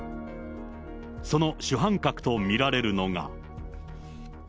その主犯格と見られるのが。